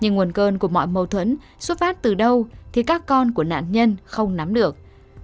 nguồn cơn của mọi mâu thuẫn xuất phát từ đâu thì các con của nạn nhân không nắm được